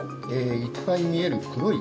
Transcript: いっぱい見える黒い菌